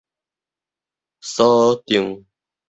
鎖定